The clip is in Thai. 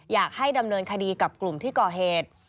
อยากให้ดำเนินคดีกับกลุ่มที่ก่อเหตุ